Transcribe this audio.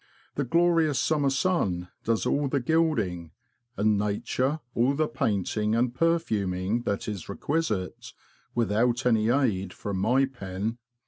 The glorious summer sun does all the gilding, and Nature all the painting and perfuming that is requisite, without any aid from my pen.